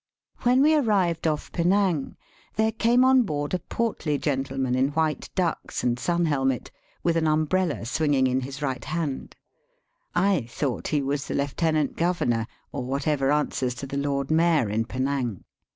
"When we arrived off Penang there came on board a portly gentleman in white ducks and Digitized by VjOOQIC THE ISLE OP SPIOr BBEEZES. 146 sun helmet, with an umbrella swinging in his right hand. I thought he was the lieutenant governor, or whatever answers to the Lord Mayor in Penang.